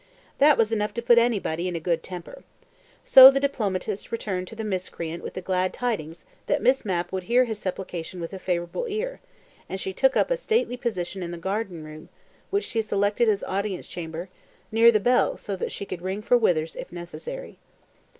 That was enough to put anybody in a good temper. So the diplomatist returned to the miscreant with the glad tidings that Miss Mapp would hear his supplication with a favourable ear, and she took up a stately position in the garden room, which she selected as audience chamber, near the bell so that she could ring for Withers if necessary.